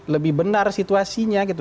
lebih benar situasinya gitu